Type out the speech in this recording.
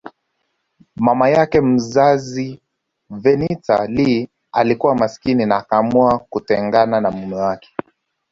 Mama yake mzazi Vernita Lee alikuwa masikini na akaamua kutengana na mume wake